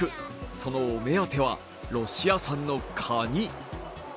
そのお目当ては、ロシア産のカニ。